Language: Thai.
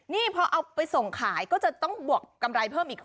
นี่พอเอาไปส่งขายก็จะต้องบวกกำไรเพิ่มอีก